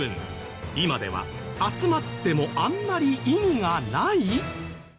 今では集まってもあんまり意味がない！？